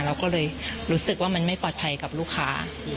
เราก็เลยรู้สึกว่ามันไม่ปลอดภัยกับลูกค้า